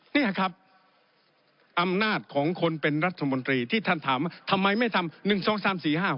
นี่ครับอำนาจของคนเป็นรัฐมนตรีที่ท่านถามว่าทำไมไม่ทำ๑๒๓๔๕๖